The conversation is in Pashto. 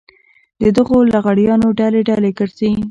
د دغو لغړیانو ډلې ډلې ګرځي.